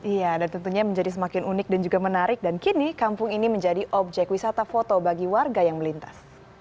iya dan tentunya menjadi semakin unik dan juga menarik dan kini kampung ini menjadi objek wisata foto bagi warga yang melintas